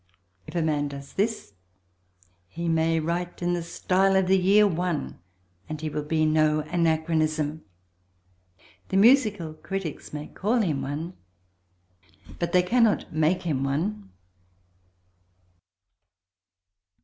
If a man does this he may write in the style of the year one and he will be no anachronism; the musical critics may call him one but they cannot make him one.